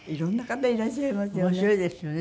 面白いですよね